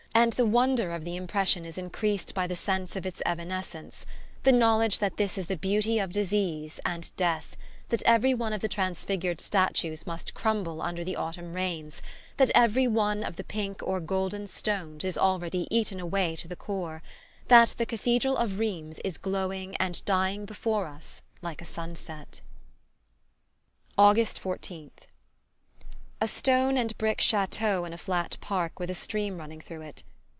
And the wonder of the impression is increased by the sense of its evanescence; the knowledge that this is the beauty of disease and death, that every one of the transfigured statues must crumble under the autumn rains, that every one of the pink or golden stones is already eaten away to the core, that the Cathedral of Rheims is glowing and dying before us like a sunset... August 14th. A stone and brick chateau in a flat park with a stream running through it.